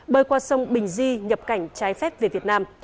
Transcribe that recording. bơi qua sông bình di nhập cảnh trái phép về việt nam